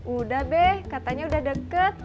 udah deh katanya udah deket